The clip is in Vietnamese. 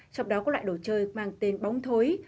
trong đó có loại đồ chơi mang tên bóng thối